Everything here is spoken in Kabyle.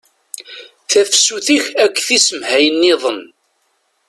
Tafsut tif akk tisemhay-nniḍen